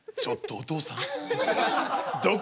お父さん！